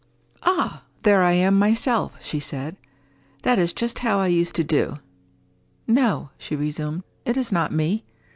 "Ah, there I am myself!" she said. "That is just how I used to do.—No," she resumed, "it is not me.